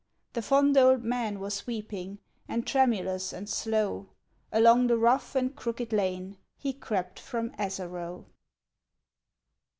The fond old man was weeping; and tremulous and slow Along the rough and crooked lane he crept from Asaroe.